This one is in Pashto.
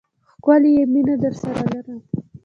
ښکلی یې، مینه درسره لرم